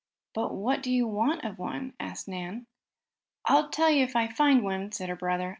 "But what do you want of one?" asked Nan. "I'll tell you if I find one," said her brother.